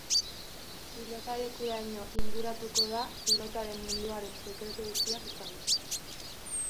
Pilotalekuraino inguratuko da, pilotaren munduaren sekretu guztiak ezagutzeko.